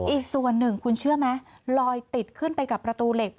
อีกส่วนหนึ่งคุณเชื่อไหมลอยติดขึ้นไปกับประตูเหล็ก